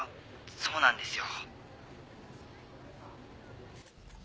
そうなんですよ。